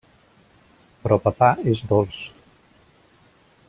Però papà és dolç.